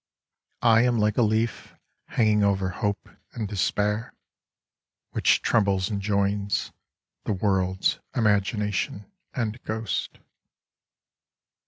I am like a leaf Hanging over hope and despair, Which trembles and joins The world's imagination and ghost.